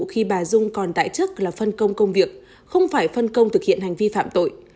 khi bà dung còn tại chức là phân công công việc không phải phân công thực hiện hành vi phạm tội